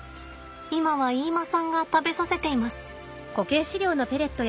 今は飯間さんが食べさせています。